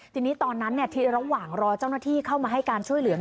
ทีนี้ตอนนั้นที่ระหว่างรอเจ้าหน้าที่เข้ามาให้การช่วยเหลือ